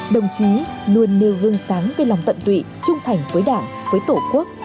đồng chí luôn nêu gương sáng về lòng tận tụy trung thành với đảng với tổ quốc